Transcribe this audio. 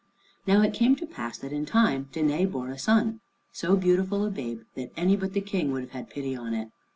Now it came to pass that in time Danæ bore a son, so beautiful a babe that any but the King would have had pity on it.